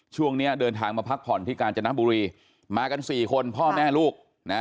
ช่วงนี้เดินทางมาพักผ่อนที่กาญจนบุรีมากันสี่คนพ่อแม่ลูกนะ